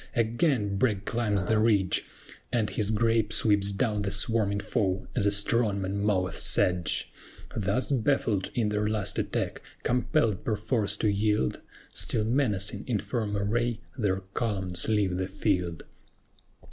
Again BRAGG climbs the ridge, And his grape sweeps down the swarming foe, as a strong man moweth sedge: Thus baffled in their last attack, compelled perforce to yield, Still menacing in firm array, their columns leave the field.